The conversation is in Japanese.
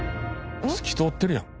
透き通ってるやん。